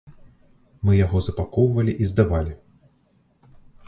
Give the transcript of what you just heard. Мы яго запакоўвалі і здавалі.